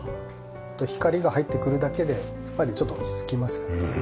光が入ってくるだけでやっぱりちょっと落ち着きます。